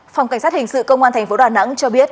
phòng cảnh sát hình sự công an thành phố đà nẵng cho biết